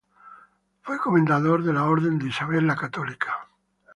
Fue comendador de la Orden de Isabel la Católica.